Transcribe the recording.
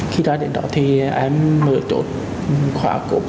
khi ra đến đó thì em mở chốt khóa cụp